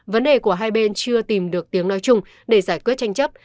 vấn đề của hai bên chưa tìm được tiếng nói chung để giải quyết tranh chấp